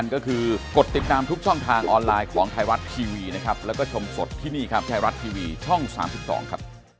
เรียกว่า๙๐๐ดีกว่า๘๙๕บาท